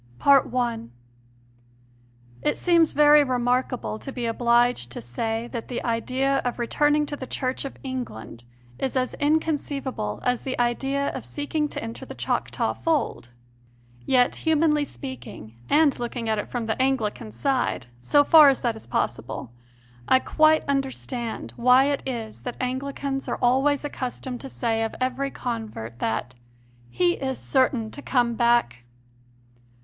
i. It seems very remarkable to be obliged to say that the idea of returning to the Church of England is as inconceivable as the idea of seeking to enter the Choctaw fold. Yet, humanly speaking, and looking at it from the Anglican side, so far as that is possible, I quite understand why it is that Anglicans are always accustomed to say of every convert that "he is certain to come back."